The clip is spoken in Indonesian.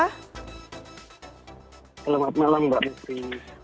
selamat malam mbak menteri